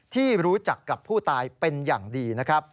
ที่รู้จักกับผู้ตายเป็นอย่างดี